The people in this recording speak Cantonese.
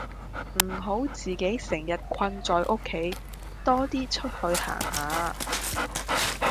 唔好自己成日困在屋企多啲出去行下